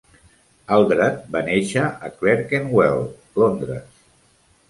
Aldred va néixer a Clerkenwell, Londres.